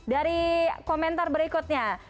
dari komentar berikutnya